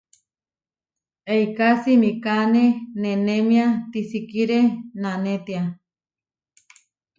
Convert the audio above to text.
Eiká simikáne nenémia tisikíre nanétia.